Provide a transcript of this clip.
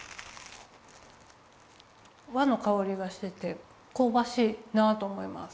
和のかおりがしててこうばしいなと思います。